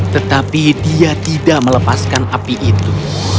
tetapi dia tidak melepaskan api itu